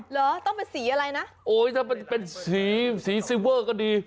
เหรอต้องเป็นสีอะไรนะโอ้ยถ้ามันเป็นสีสีเวอร์ก็ดี